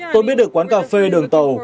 tôi biết được quán cà phê đường tàu